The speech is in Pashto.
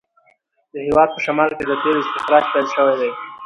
د هیواد په شمال کې د تېلو استخراج پیل شوی دی.